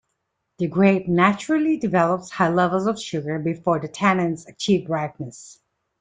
The grape naturally develops high levels of sugar before the tannins achieve ripeness.